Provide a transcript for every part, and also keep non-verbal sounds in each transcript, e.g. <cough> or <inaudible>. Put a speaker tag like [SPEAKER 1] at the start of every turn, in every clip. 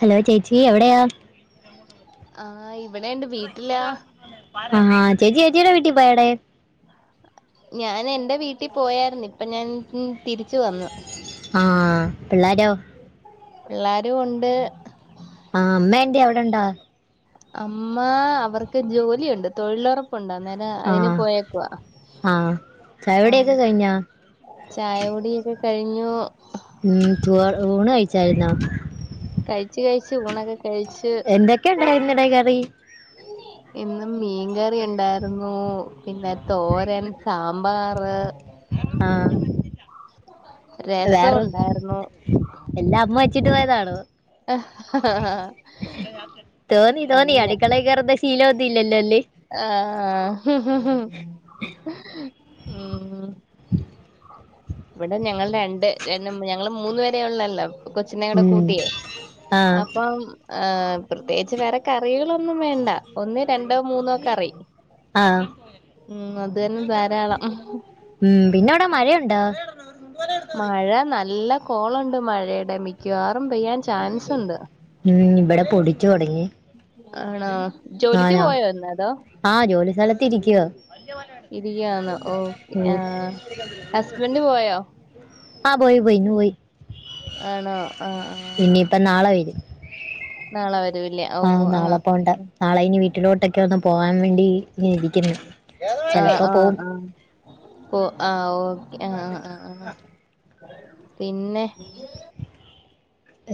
[SPEAKER 1] Hello ചേച്ചി എവിടെയാ?
[SPEAKER 2] ആ ഇവിടേണ്ട് വീട്ടിലാ
[SPEAKER 1] ആ ചേച്ചി ചേച്ചിയുടെ വീട്ടിപോയടേ
[SPEAKER 2] ഞാൻ എന്റെ വീട്ടി പോയാരുന്നു. ഇപ്പ ഞാൻ തിരിച്ച് വന്നു.
[SPEAKER 1] ആ പിള്ളേരോ?
[SPEAKER 2] എല്ലാരും ഒണ്ട്
[SPEAKER 1] ആഹ് അമ്മ ൻ്റി അവടെണ്ടാ?
[SPEAKER 2] അമ്മ അവർക്ക് ജോലിയുണ്ട് തൊഴിലൊറപ്പ് പ്പൊണ്ട് അന്നേരം
[SPEAKER 1] ആ
[SPEAKER 2] അതിന് പോയേക്കുവാ
[SPEAKER 1] ആ ചായവിടെയൊക്കെ
[SPEAKER 2] ആഹ്
[SPEAKER 1] കഴിഞ്ഞാ
[SPEAKER 2] ചായകുടിഒക്കെ കഴിഞ്ഞൂ
[SPEAKER 1] ഉം ഊണ് കഴിച്ചായിുന്നോ?
[SPEAKER 2] കഴിച്ച കഴിച്ചു ഉഊണക്കെ
[SPEAKER 1] എന്തൊക്കെണ്ടായിരിന്നാടാ?
[SPEAKER 2] ഇന്നും മീൻകറി ഉണ്ടായിരുന്നൂ പിന്നെ തോരൻ, സാമ്പാറ്
[SPEAKER 1] ആഹ
[SPEAKER 2] രസം
[SPEAKER 1] വേറെ
[SPEAKER 2] ഉണ്ടായിരുന്നു
[SPEAKER 1] എന്റെറെ അമ്മ വെച്ചിട്ട് പോയതാണ്. ധോണി ധോണി അടിക്കളകറ ദ
[SPEAKER 2] ആഹഹ്ഹ്ഹ്! ഉം ഇവിടെ ഞങ്ങ രണ്ട് രണ്ട് ഞങ്ങള് മൂന്ന വരെയ ഉള്ളല്ലോ. കൊച്ചനടെ
[SPEAKER 1] ഉം.
[SPEAKER 2] കൂട്ടിയേ
[SPEAKER 1] ആ
[SPEAKER 2] അപ്പം ആഹ് പ്രത്യേകിച്ച് വേറെ കറികളൊന്നും വേണ്ട ഒന്ന് എണ്ടോ മൂന്നോ കറി
[SPEAKER 1] ആ
[SPEAKER 2] ഉം അത് തന്നെ ധാരാളം
[SPEAKER 1] ണ്ട
[SPEAKER 2] മഴ നല്ല കോളുണ്ട് മഴയുടെ മിക്കുവാ
[SPEAKER 1] ഉ ഇവിടെ പൊടിച്ചു തുടങ്ങി
[SPEAKER 2] ആണോ
[SPEAKER 1] ആ
[SPEAKER 2] ജോലിക്ക്
[SPEAKER 1] ആ
[SPEAKER 2] പോയോ ഇന്ന് അതോ?
[SPEAKER 1] ആ ജോലി സ്ഥലത്ത് ഇരിക്കുവോ
[SPEAKER 2] ഇരിയാന്നോ ഓക്കെ
[SPEAKER 1] ഓ.
[SPEAKER 2] ആ ഹസ്ബൻഡ് പോയോ?
[SPEAKER 1] ആ പോയിപോയി ന് വോയി.
[SPEAKER 2] ആണോ ആഹ ആ
[SPEAKER 1] ഇനിയിപ്പോ
[SPEAKER 2] നാളെ വരെ
[SPEAKER 1] ആഹ് നാളെ പോകണ്ട നാളെ ഇനി വീട്ടിലോട്ടൊക്കെ വന്ന് പോകാൻ വേണ്ടി ഇ ഇരിക്ണ് ചെലപ്പ പോവും
[SPEAKER 2] ഭാ ആഹ് ഓക്കെ ആഹ് ആഹ് ആ പിന്നെ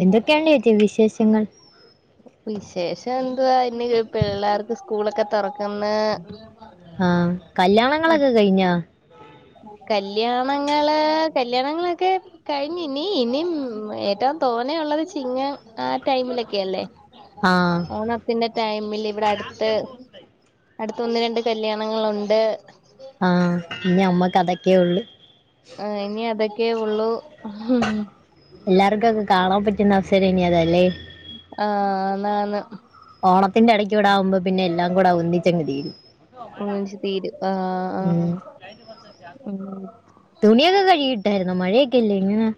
[SPEAKER 1] എന്തൊക്കെയുണ്ട് ഏച്ചി വിശേഷങ്ങൾ?
[SPEAKER 2] വിശേഷം എന്തുവാ ഇന്ന് ഈ പിള്ളേർക്ക് സ്കൂളൊക്കെ തുറക്ക്ന്ന്
[SPEAKER 1] ആഹ് കല്യാണങ്ങളൊക്കെ കഴിഞ്ഞോ
[SPEAKER 2] കല്യാണങ്ങള് കല്യാണങ്ങളൊക്കെ കഴിഞ്ഞി ഇനി ഇനിം ഏറ്റ തോനെയുള്ളത് ചിങ്ങ ആ ടൈമിലൊക്കെ അല്ലേ?
[SPEAKER 1] ആ
[SPEAKER 2] ഓണത്തിന്റെ ടൈമില് ഇവിടെ അടുത്ത് അടുത്ത ഒന്ന് രണ്ട് കല്യാണങ്ങളുണ്ട്
[SPEAKER 1] ആഹ് ഇനി അമ്മക്ക് അതൊക്കെയുള്ളു
[SPEAKER 2] ആ ഇനി അതൊക്കെ ഉള്ളൂ
[SPEAKER 1] എല്ലാർകൊക്കെ കാണാൻ പറ്റുന്ന അവസരം ഇനി അതല്ലേ
[SPEAKER 2] ആഹ് നാന്
[SPEAKER 1] ഓണത്തിന്റെ ഇടക്ക് ഇവിടെ ആവുമ്പോ പിന്നെല്ലാം കൂടെ ഒന്നിച്ചങ്ങ് തീരും
[SPEAKER 2] ഒന്നിച്ച് തീരും ആഹ്
[SPEAKER 1] മ്
[SPEAKER 2] ആഹ് ഉം
[SPEAKER 1] തുണിയൊക്കെ കഴിക്കിട്ടായിരുന്നോ മഴയൊക്കെല്ലേ ഇങ്ങനെ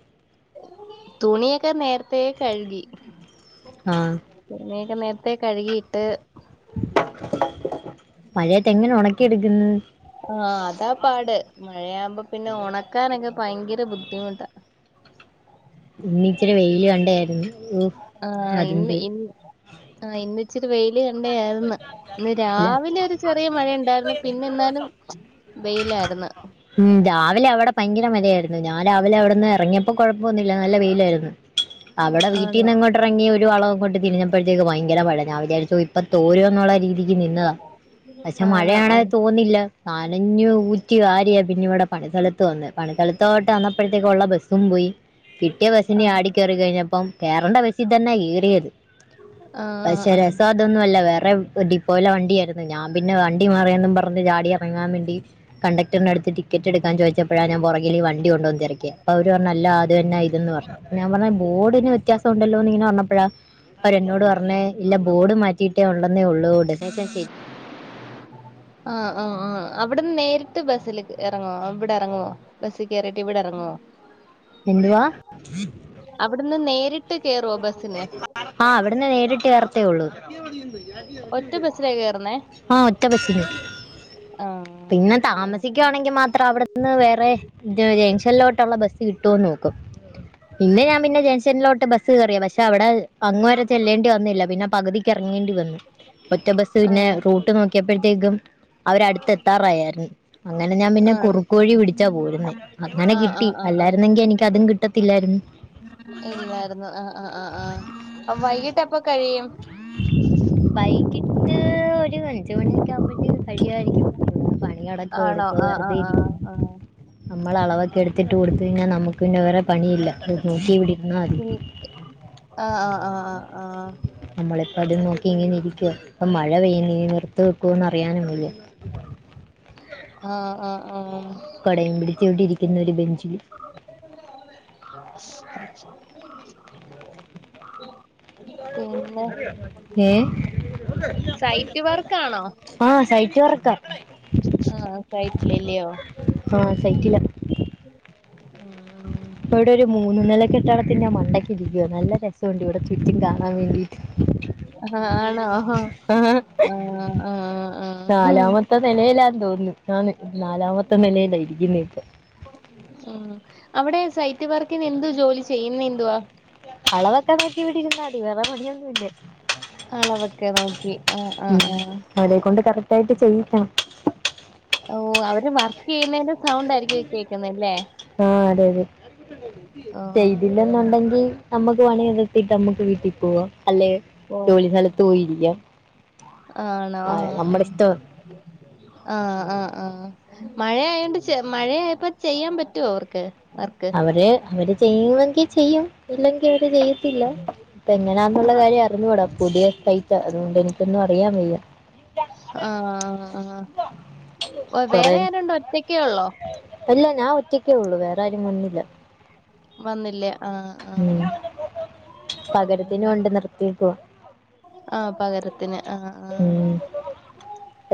[SPEAKER 2] തുണിയൊക്ക നേരത്തേ കഴുകി
[SPEAKER 1] ആഹ്
[SPEAKER 2] ഞാന് നേരത്തെ കഴുകിയിട്ട്
[SPEAKER 1] മഴയത്തെങ്ങനെ ഒണക്കി എടുക്കുന്ന്
[SPEAKER 2] ആഹ് അതാ പാട് മഴയാവുമ്പോ പിന്നെ ഉണക്കാനൊക്കെ ഭയങ്കര ബുദ്ധിമുട്ടാ
[SPEAKER 1] ഇന്ന് ഇച്ചിരി വെയില് കണ്ടേയിരുന്നു അതും പോയി
[SPEAKER 2] ആഹ് ഇന്ന് ഇച്ചിരി വൈ ഇന്ന് കണ്ടേ ആര്ന്ന് ഇന്ന്
[SPEAKER 1] ഇല്ല
[SPEAKER 2] രാവിലെ ഒരു ചെറിയ മഴയുണ്ടായിരുന്നു പിന്നെ എന്നാലും വെയിലായിരുന്നു
[SPEAKER 1] ഉം രാവിലെ അവിടെ ഭയ നല്ല മഴയായിരുന്നു ഞാൻ രാവിലെ അവിടുന്ന് എറങ്ങിയപ്പോ കൊഴപ്പൊന്നുമില്ല നല്ല വെയിലായിരുന്നു. അവിടെ
[SPEAKER 2] ആണോ
[SPEAKER 1] വീട്ടീന്ന് ഇങ്ങോട്ടിറങ്ങി ഒരു വളവങ്ങോട്ട് തിരിഞ്ഞപ്പോഴത്തേക്ക് ഭയങ്കര മഴ ഞാൻ വിചാരിച്ചു ഇപ്പൊ തോരുവെന്നുള്ള രീതിക്ക് നിന്നതാ പക്ഷെ
[SPEAKER 2] ആണോ
[SPEAKER 1] മഴയാണെ
[SPEAKER 2] ആഹ്
[SPEAKER 1] തോന്നില്ല നനഞ്ഞു ഊറ്റി വാരിയ പിന്നെ ഇവിടെ പണിസ്ഥലത്ത് വന്നെ പണിസ്ഥലത്തോട്ട് വന്നപ്പോഴത്തേക്കൊള്ള ബസ്സും പോയി കിട്ടിയ ബസ്സിന്
[SPEAKER 2] ആഹ്
[SPEAKER 1] ചാടി കയറി കഴിഞ്ഞപ്പം കേറണ്ട ബസ്സിൽ തന്നാ കേറിയത്.
[SPEAKER 2] ആഹ് ആഹ്
[SPEAKER 1] ഇതൊന്നുവല്ല വേറേ ഡിപ് പോലെ വണ്ടിയ ആയിരുന്നു ഞാൻ പിന്നെ വണ്ടി മറിയെന്നും പറഞ്ഞ് ചാടി ഇറങ്ങാൻ വേണ്ടി കണ്ടക്ടറിനടുത്ത് ടിക്കറ്റ് എടുക്ക കാൻ ചോദിച്ചപ്പഴാ ഞാൻ പൊറകില് ഈ വണ്ടി ഉണ്ടോന്ന് തെരക്കിയേ അപ്പൊ അവര് പറഞ്ഞ് അല്ലാ അത് തന്നാ ഇതെന്ന് പറഞ്ഞു ഞാൻ പറഞ്ഞ് ബോർഡില് ന് വ്യത്യാസമൊണ്ടല്ലോ എന്നിങ്ങനെ പറഞ്ഞപ്പോളാ അവര് എന്നോട് പറഞ്ഞെ ഇല്ല ബോർഡ്‌ മാറ്റ് മാറ്റിട്ട് ഉണ്ടെന്നേ ഒള്ളൂ ഉടനെത്തെ
[SPEAKER 2] ആഹ് ആഹ് ആഹ് അവിടെന്ന് നേരിട്ട് ബസ്സിൽ ഇറങ്ങോ ഇവിടെ ഇറങ്ങുവോ ബസ്സിൽ കയറീട്ട് ഇവിടെ ഇറങ്ങുവോ
[SPEAKER 1] എന്തുവാ
[SPEAKER 2] അവിടുന്ന് നേരിട്ട് കേറുവോ ബസ്സിന്
[SPEAKER 1] ആഹ് അവിടുന്ന് നേരിട്ട് കേറത്തേ ഒള്ളൂ
[SPEAKER 2] ഒറ്റ ബസ്സിലാ കേറുന്നേ
[SPEAKER 1] ആഹ് ഒറ്റ ബസ്സില് പിന്നെ
[SPEAKER 2] ആഹ്
[SPEAKER 1] താമസിക്കുവാണെങ്കി മാത്രം അവിടെന്ന് വേറെ ജെ ജംഗ്ഷനിലോട്ടുള്ള ബസ് കിട്ടുവോന്ന് നോക്കും ഇന്ന് ഞാൻ പിന്നെ ഇംഗ്ഷനിലോട്ട് ബ ബസ്സ് കേറിയെ പക്ഷെ അവിടെ അങ്ങ് വരെ ചെല്ലേണ്ടി വന്നില്ല പിന്നെ പകുതിക്ക് എറങ്ങേണ്ടി വന്നു ഒറ്റ ബസ്സ് പിന്നെ
[SPEAKER 2] ആഹ്
[SPEAKER 1] റൂട്ട് നോക്കിയപ്പഴ്ത്തേക്കും അവരടുത്ത് എത്താറായായിരുന്നു അങ്ങനെ ഞാൻ പിന്നെ
[SPEAKER 2] ആഹ് ആണ്
[SPEAKER 1] കുറുക്കുവഴി പിടിച്ചാ പോരുന്നേ അങ്ങനെ
[SPEAKER 2] ആഹ്
[SPEAKER 1] കിട്ടി
[SPEAKER 2] ആഹ് ആഹ് ആഹ്
[SPEAKER 1] അല്ലായിരുന്നെങ്കി എനിക്ക് അതും കിട്ടത്തില്ലായിരുന്നു
[SPEAKER 2] ഇല്ലായിരുന്നു ആഹ് ആഹ് ആഹ് ആഹ് വൈകിട്ടെപ്പൊ കഴിയും
[SPEAKER 1] വൈകിട്ട് എട്ട് മണിയൊക്കെ ആവുമ്പഴ്ത്തേക്ക് കഴിയുവായിരിക്കും പിന്നെ പണി നടക്കോ
[SPEAKER 2] ആണോ
[SPEAKER 1] എടുക്കുവോ
[SPEAKER 2] ആ ആ
[SPEAKER 1] വെറുതെ
[SPEAKER 2] ആ
[SPEAKER 1] ഇരിക്കും
[SPEAKER 2] ആ
[SPEAKER 1] നമ്മൾ അളവൊക്കെ എടുത്തിട്ട് കൊടുത്ത കഴഞ്ഞാൽ നമ്മുക്ക് പിന്നെ വേറെ പണിയില്ല നോക്കിയിവിടരുന്നാ മതി
[SPEAKER 2] ആഹ് ആഹ് ആഹ്
[SPEAKER 1] നമ്മളിപ്പോ അതും നോക്കി ഇങ്ങനെ ഇരിക്കുവാ ഇപ്പ മഴ പെയ്യുന്നീ <unintelligible> ത്ത് വെക്കുവോന്ന് അറിയാനും വയ്യ
[SPEAKER 2] ആഹ് ആഹ് ആഹ്
[SPEAKER 1] കൊടയും പിടിച്ച് ഇവിടെ ഇരിക്കുന്ന് ഒരു ബെഞ്ചില്
[SPEAKER 2] പിന്നെ
[SPEAKER 1] ഏഹ്
[SPEAKER 2] സൈറ്റ് വർക്കാണോ
[SPEAKER 1] ആഹഹ് സൈറ്റ് വർക്കാ
[SPEAKER 2] ആഹ് സൈറ്റില് അല്ലിയോ
[SPEAKER 1] അഹ് സൈറ്റിലാ
[SPEAKER 2] ഉം.
[SPEAKER 1] ഇവിടെ ഒരു മൂന്ന് നില കെട്ടിടത്തിന്റെ മണ്ടക്ക് ഇരിക്കുവാ നല്ല രസം ഒണ്ട് ഇവിടെ ചുറ്റി കാണാൻ വേണ്ടീട്ട്
[SPEAKER 2] ആഹ് ആണോ ആഹ് ആഹ് ആഹ്
[SPEAKER 1] തോനുന്ന് നാലാമത്തെ നിലയിലായിരിക്കുന്നേ ഇപ്പ
[SPEAKER 2] ഉം അവിടെ സൈറ്റ് വർക്കിന് എന്തു ജോലി ചെയ്യുന്നെ എന്തുവാ
[SPEAKER 1] അളവൊക്കെ നോക്കി ഇവിടെ ഇരുന്നാ മതി വേറെ പണിയൊന്നുമില്ല
[SPEAKER 2] അളവൊക്കെ നോക്കി ആഹ് ആഹ്
[SPEAKER 1] ഉം
[SPEAKER 2] ആഹ്
[SPEAKER 1] അവരെ കൊണ്ട് കറക്റ്റ് ആയിട്ട് ചെയ്യിക്കണം
[SPEAKER 2] ഓ അവര് വർ
[SPEAKER 1] ആഹ് അതെ അതെ
[SPEAKER 2] ആ ആ
[SPEAKER 1] ചെയ്തില്ലെന്നുണ്ടെങ്കിൽ നമ്മുക്ക് പണി നിർത്തിട്ട് നമ്മുക്ക് വീട്ടിൽ പോവാം അല്ലെ
[SPEAKER 2] ഓ
[SPEAKER 1] ജോലി സ്ഥലത്ത് പോയിരിക്കാം
[SPEAKER 2] ആണോ
[SPEAKER 1] ആ, നമ്മുടെ
[SPEAKER 2] ആഹ്
[SPEAKER 1] ഇഷ്ടം
[SPEAKER 2] ആഹ് ആഹ് ആഹ് മഴയായൊണ്ട് മഴയായപ്പോ ചെയ്യാൻ പറ്റുവോ അവർക്ക് വർക്ക്
[SPEAKER 1] അവര് അവര് ചെയ്യുമെങ്കിൽ ചെയ്യും ഇല്ലെങ്കിൽ അവര് ചെയ്യത്തില്ല ഇപ്പ
[SPEAKER 2] ആ
[SPEAKER 1] എങ്ങനാന്നുള്ള കാര്യം അറിഞ്ഞൂട പുതിയ സൈറ്റാ അതുകൊണ്ട് എനിക്കൊന്നും അറിയാൻ വയ്യ
[SPEAKER 2] ആഹ് ആഹ് ആഹ് വെ
[SPEAKER 1] കൊറേ
[SPEAKER 2] വേറെ ആരുണ്ട് ഒറ്റക്കേ ഒള്ള്
[SPEAKER 1] അല്ല ഞാൻ ഒറ്റക്കേ ഒള്ളു വേറെ ആരും വന്നില്ല
[SPEAKER 2] വന്നില്ലേ ആ ആ
[SPEAKER 1] ഉം പകരത്തിന് കൊണ്ട് നിർത്തിയേക്കുവാ
[SPEAKER 2] ആഹ് പകരത്തിന് ആ ആ
[SPEAKER 1] ഉം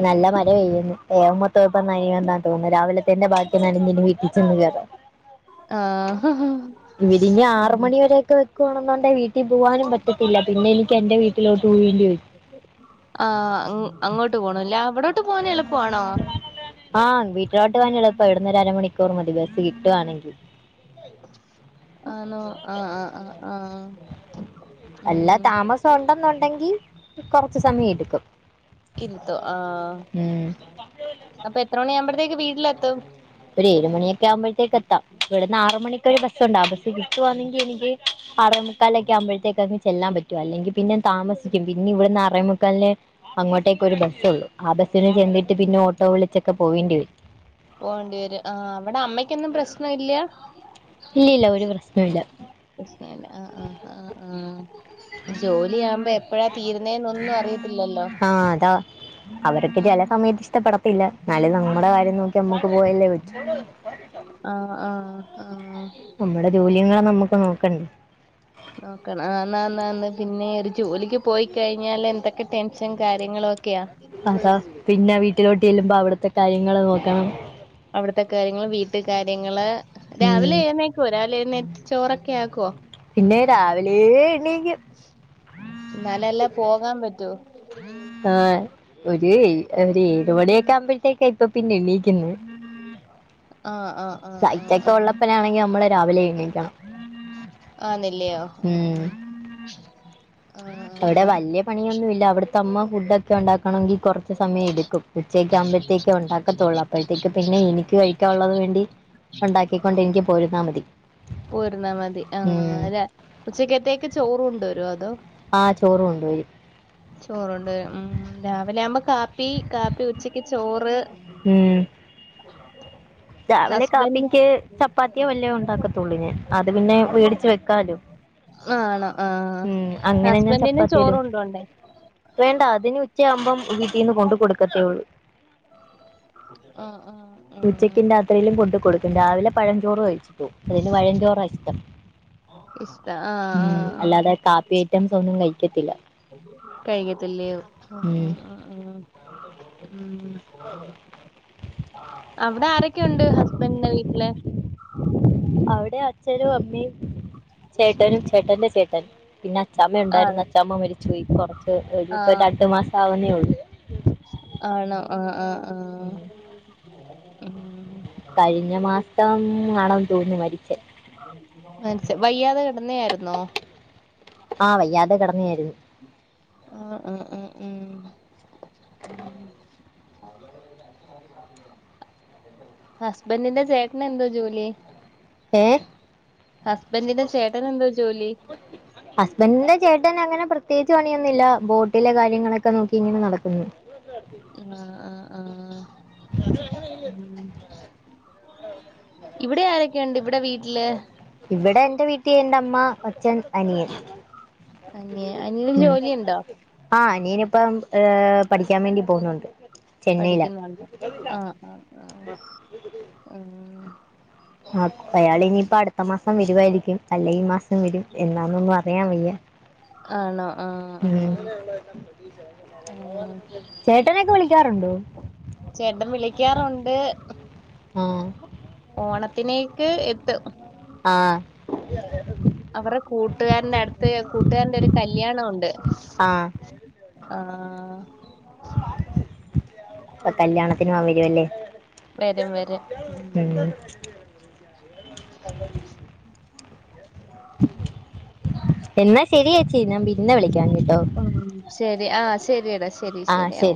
[SPEAKER 1] നല്ല മഴ
[SPEAKER 2] ഉം.
[SPEAKER 1] പെയ്യുന്നു വേ പൊ ത്തം ഇപ്പ നനയുവെന്നാ തോനുന്നെ രാവിലത്തെന്റെ ബാക്കി നനഞ്ഞ് ഇനി വീട്ടി ചെന്ന് കേറാം
[SPEAKER 2] ആഹ്
[SPEAKER 1] ഇവരിനി ആറ് മണിവരെയൊക്കെ വെക്കുവാണെന്നൊണ്ടെ വീട്ടി പോവാനും പറ്റത്തില്ല പിന്നെ എനിക്ക് എറെ വീട്ടിലോട്ട് പോകേണ്ടി വരും
[SPEAKER 2] ആഹ് അങ് അങ്ങോട്ട് പോണല്ലേ അവിടോ
[SPEAKER 1] ആഹ് വീട്ടിലോട്ട് പോവാൻ എളുപ്പാ ഇവിടുന്ന് ഒര് അരമ മണിക്കൂർ മതി ബസ്സ് കിട്ടുവാന്നെങ്കി
[SPEAKER 2] ആന്നോ ആഹ് ആഹ് ആഹ് ആഹ്
[SPEAKER 1] അല്ല താമസം ഒണ്ടൊന്നൊണ്ടെങ്കി കൊറ
[SPEAKER 2] <unintelligible> ആഹ്
[SPEAKER 1] ഉം.
[SPEAKER 2] അപ്പൊ എത്ര മണി ആവുമ്പഴ് ത്തേക്ക് വീട്ടിലെത്തും
[SPEAKER 1] ഒരു ഏഴ് മണിയൊക്കെ ആകുമ്പഴ്ത്തേക്ക് എത്താം ഇവിടുന്ന് ആറ് മണിക്ക് ഒരു ബസ്സുണ്ട് ആ ബസ്സ് കിട്ടുവാന്നെങ്കി എനിക്ക് ആറെ മുക്കാലൊക്കെ ആകുമ്പഴ്‌ത്തേന് അങ്ങ് ചെല്ലാൻ പറ്റും അല്ലെങ്കി പിന്നെ താമസിക്കും പിന്നെ ഇവിടുന്ന് ആറേമുക്കാലിനേ അങ്ങോട്ടേക്ക് ഒരു ബസ്സുള്ളു ആ ബസ്സിന് ചെന്നിട്ട് പിന്നെ ഓട്ടോ വിളിച്ചൊക്കെ പോവേണ്ടി വരും
[SPEAKER 2] പോവേണ്ടി വരും ആ അവിടെ അമ്മയ്ക്കൊന്നും പ്രശ്നം ഇല്ല
[SPEAKER 1] ഇല്ല ഇല്ല ഒരു പ്രശ്നോം ഇല്ല
[SPEAKER 2] പ്രശ്നയില്ല ആ ആഹ് ആഹ് ആ ജോലി ആവുമ്പ
[SPEAKER 1] ആഹ് അതാ അവരൊക്കെ ജല സമയത്ത് ഇഷ്ടപ്പെടത്തില്ല എന്നാലും നമ്മുടെ കാര്യം നോക്കി നമ്മുക്ക് പോയല്ലേ പറ്റു
[SPEAKER 2] ആ ആ ആ
[SPEAKER 1] നമ്മുടെ ജോലിയെന്ന് പറഞ്ഞ് നമ്മുക്ക് നോക്കണ്ടേ?
[SPEAKER 2] നോക്കണം ആന്നാന്നാന്ന് പിന്നെ ഒരു ജോലിക്ക് പോയി കഴിഞ്ഞാല് എന്തൊക്കെ ടെൻഷൻ കാര്യങ്ങളും ഒക്കെയാ
[SPEAKER 1] അതാ പിന്നെ വീട്ടിലോട്ട് ചെല്ലുമ്പോ അവിടത്തെ കാര്യങ്ങള് നോക്കണം.
[SPEAKER 2] അവിടത്തെ കാര്യങ്ങള് വീട്ട് കാര്യങ്ങള്
[SPEAKER 1] ഉം
[SPEAKER 2] രാവിലെ എഴുന്നേക്കുവോ രാവിലെ എഴുന്നേ ചോറൊക്കെ ആക്കുവോ
[SPEAKER 1] പിന്നെ രാവിലേ എണ്ണീക്കും
[SPEAKER 2] എന്നാലല്ലേ പോകാൻ പറ്റൂ
[SPEAKER 1] ആ ഒരു ഒരു ഏഴ് മണിയൊക്കെ ആകുമ്പോഴത്തേക്ക് ഇപ്പൊ പിന്നെ എണ്ണീക്
[SPEAKER 2] ആ ആ ആ ആ
[SPEAKER 1] സൈറ്റ് ഒക്കെ
[SPEAKER 2] ആ
[SPEAKER 1] ഉള്ളപ്പനാണെങ്കി നമ്മള് രാവിലെ എണീക്
[SPEAKER 2] ആന്നില്ലയോ ഉം
[SPEAKER 1] അവിടെ വലിയ പണിയൊന്നുംല്ല അവിടത്തമ്മ ഫുഡ് ഒക്കെ ഉണ്ടാക്കണമെങ്കിൽ കൊറ ഉം സമയം എടുക്കും ഉച്ചേയ്ക്ക ആകുമ്പഴത്തേക്കേ ഉണ്ടാക്കത്തുള്ളൂ അപ്പോഴത്തേക്ക് പിന്നെ എനിക്ക് കഴിക്കാനുള്ളത് വേണ്ടി ഉണ്ടാക്കിക്കൊണ്ട് എനിക്ക് പോരുന്നാൽ മതി
[SPEAKER 2] പോര്ന്നാ മതി ആഹ്
[SPEAKER 1] ഉം
[SPEAKER 2] അല്ല ഉച്ചക്കത്തേക്ക് ചോറു കൊണ്ട് വരുവോ അതോ?
[SPEAKER 1] ആ ചോറ് കൊണ്ടുവരും
[SPEAKER 2] ചോറുണ്ട് ഉം രാവിലെ മ്മ കാപ്പി കാപ്പി ഉച്ചയ്ക്ക് ചോറ്
[SPEAKER 1] ഉം രാവിലെ
[SPEAKER 2] ഹസ്ബൻഡ്
[SPEAKER 1] കാപ്പിക്ക് ചപ്പാത്തിയോ വല്ലേ ഉണ്ടാക്കത്തുള്ളു അത് പിന്നെ മേടിച്ച് വെക്കാലോ
[SPEAKER 2] മാണോ ആഹ്
[SPEAKER 1] ഉം അങ്ങനെ ഞാൻ
[SPEAKER 2] ഹസ്ബന്റിന്
[SPEAKER 1] ചപ്പാത്തി ഇടും
[SPEAKER 2] ചോറൊണ്ടോണ്ടേ
[SPEAKER 1] വേണ്ട അതിനി ഉച്ചയാവുമ്പം വീട്ടീന്ന് കൊണ്ട് കൊടുക്കത്തേയുള്ളു
[SPEAKER 2] ആഹ്
[SPEAKER 1] ഉച്ചയ്ക്കും രാത്രിയിലും <unintelligible> രാവിലെ പഴഞ്ചോറ് കഴിച്ചു അതിന് പഴഞ്ചോറാ ഇഷ്ടം
[SPEAKER 2] ഇഷ്ട ആ ആ
[SPEAKER 1] ഉം അല്ലാതെ കാപ്പി ഐറ്റംസാന്നും കഴിക്ക
[SPEAKER 2] കഴിക്കത്തില്ലയൊ ഉം ഉം ഉം ഉം ഉം അവടെ ആരൊക്കെയുണ്ട് ഹസ്ബൻന്റെ വീട്ടില്
[SPEAKER 1] അവിടെ അച്ഛനും അമ്മിം ചേട്ടനും ചേട്ടന്റെ ചേട്ടൻ പിന്നെ അച്ചാമ്മ
[SPEAKER 2] ആ
[SPEAKER 1] ഉണ്ടാരുന്നു അച്ചാമ്മ മരിച്ചു പോയി കൊറച്ച് ട്ട്
[SPEAKER 2] ആ
[SPEAKER 1] ഒരുപ്പെ രണ്ട് മാസാവുന്നേ ഉ
[SPEAKER 2] ആണോ ആഹ് ആഹ്
[SPEAKER 1] ഉം കഴിഞ്ഞ മാസം ആണെന്ന് തോന്ന്ന്നു മരിച്ചേ
[SPEAKER 2] മരിച്ചെ വയ്യാതെ കെടന്നെയാരുന്നോ
[SPEAKER 1] ആഹ് വയ്യാതെ കെടന്നെയാരുന്നു
[SPEAKER 2] ആഹ് ആഹ് ആഹ് ഉം ഹസ്ബൻ്റിൻ്റെ ചേട്ടനെന്തോ ജോലി
[SPEAKER 1] ഏഹ്
[SPEAKER 2] ഹസ്ബന്റിന്റെ ചേട്ടനെന്തോ ജോലി
[SPEAKER 1] ഹസ്ബൻ്റിൻ്റെ ചേട്ടനങ്ങനെ പ്രത്യേയിച്ച് പണിയൊന്നില്ല ബോട്ടിലെ കാര്യങ്ങളൊക്കെ നോക്കി ഇങ്ങനെ നടക്കുന്നു
[SPEAKER 2] ആഹ് ആഹ് ആഹ് ഉം ഇവിടെ ആരൊക്കേണ്ട് ഇവിടെ വീട്ടില്
[SPEAKER 1] ഇവടെ എന്റെ വീട്ടി എന്റെ അമ്മ അച്ഛൻ അനിയൻ
[SPEAKER 2] അനിയ അനിയന്
[SPEAKER 1] ഉം
[SPEAKER 2] ജോലിയുണ്ടോ
[SPEAKER 1] ആഹ് അനിയന് ഇപ്പം ഏഹ് പഠിക്ക്യാ വേണ്ടി പോവുന്നുണ്ട്
[SPEAKER 2] പഠിക്ക്യുന്നുണ്ട് ആഹ് ആഹ് ആഹ് ഉം
[SPEAKER 1] ആഹ് അപ്പൊ അയാള് ഇനിയിപ്പോ അടുത്ത മാസം വരുവായിരിക്കും അല്ലെങ്കി ഈ മാസം വരും എന്നാന്നൊന്നും അറിയാൻവയ്യ
[SPEAKER 2] ആണോ ആഹ്
[SPEAKER 1] ഉം
[SPEAKER 2] ആഹ് ആഹ്
[SPEAKER 1] ചേട്ടനൊക്കെ വിളിക്കാറുണ്ടോ?
[SPEAKER 2] ചേട്ടൻ വിളിക്കാറുണ്ട്.
[SPEAKER 1] ആഹ്
[SPEAKER 2] ഓണത്തിനേക്ക് എത്തും
[SPEAKER 1] ആഹ്
[SPEAKER 2] അവരെ കൂട്ടുകാരന്റെ അടുത്ത്. കൂട്ടുകാരന്റെ ഒരു കല്ല്യാണുമുണ്ട്.
[SPEAKER 1] ആഹ്
[SPEAKER 2] ആഹ്.
[SPEAKER 1] ഇപ്പൊ കല്യാണത്തിനോ വരുവല്ലേ
[SPEAKER 2] വരും വരും
[SPEAKER 1] ഉം എന്നാ ശരിയേച്ചി ഞാൻ പിന്നെ വിളിക്കാം കെട്ടോ.
[SPEAKER 2] ഉം ശരി ആഹ് ശരിയടാ ശരി ശരി ഓ